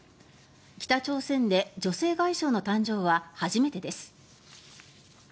北朝鮮で女性外相の誕生は初めてです。